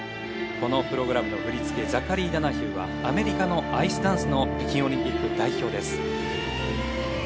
このプログラムの振り付けザカリー・ダナヒューはアメリカのアイスダンスの北京オリンピック代表です。